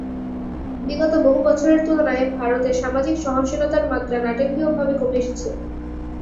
বিগত বহু বছরের তুলনায় ভারতে সামাজিক সহনশীলতার মাত্রা নাটকীয়ভাবে কমে এসেছে।